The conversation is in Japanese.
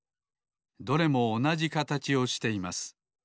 どれもおなじかたちをしています。